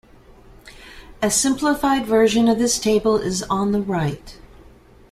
A simplified version of this table is on the right.